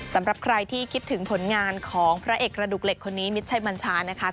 สำหรับใครที่คิดถึงผลงานของพระเอกกระดูกเหล็กคนนี้มิดชัยบัญชานะคะ